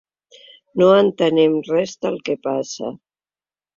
No entenem res del que passa.